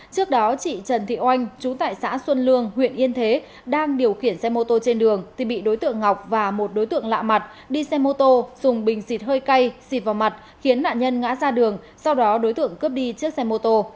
trước đó chị trần thị oanh chú tại xã xuân lương huyện yên thế đang điều khiển xe mô tô trên đường thì bị đối tượng ngọc và một đối tượng lạ mặt đi xe mô tô dùng bình xịt hơi cay xịt vào mặt khiến nạn nhân ngã ra đường sau đó đối tượng cướp đi chiếc xe mô tô